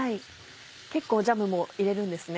結構ジャムも入れるんですね。